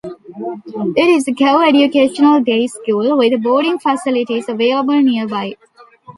It is a co-educational day school with boarding facilities available nearby.